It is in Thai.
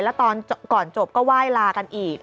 แล้วตอนก่อนจบก็ไหว้ลากันอีก